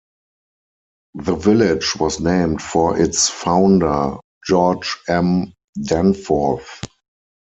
The village was named for its founder, George M. Danforth.